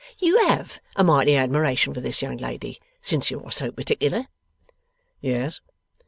You HAVE a mighty admiration for this young lady since you are so particular?' 'Yes.